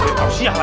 gak ada apa apa